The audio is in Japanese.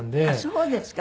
そうですか。